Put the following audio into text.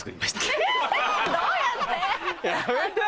どうやって？